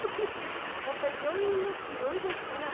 やっぱり病院の中広いですから。